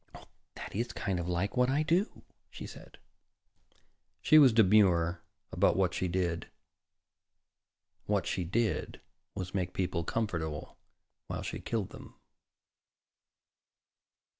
"That is kind of like what I do," she said. She was demure about what she did. What she did was make people comfortable while she killed them.